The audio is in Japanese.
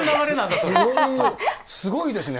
すごいですね。